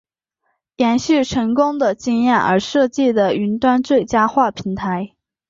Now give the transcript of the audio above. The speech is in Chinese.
延续成功的经验而设计的云端最佳化平台。